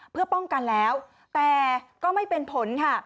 เพื่อป้องกันแล้วแต่ก็ไม่เป็นผลค่ะ